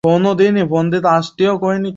Captain Vikram Batra!